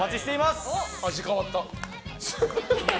味が変わった。